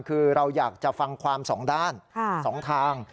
คือเราอยากจะฟังความสองด้าน๒ทาง